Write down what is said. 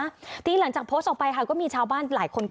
ทีนี้หลังจากโพสต์ออกไปค่ะก็มีชาวบ้านหลายคน